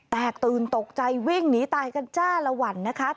แตกตื่นตกใจวิ่งหนีตายกันจ้าละวันนะคะ